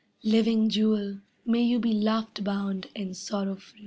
Living jewel, may you be Laughter bound and sorrow free.